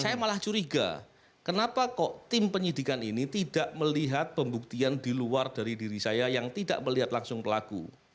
saya malah curiga kenapa kok tim penyidikan ini tidak melihat pembuktian di luar dari diri saya yang tidak melihat langsung pelaku